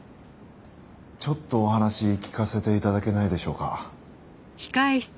ちょっとお話聞かせて頂けないでしょうか？